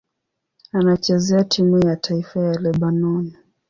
Anachezea timu ya taifa ya Lebanoni.